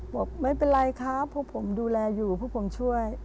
บอกไม่เป็นไรครับพวกผมดูแลอยู่พวกผมช่วย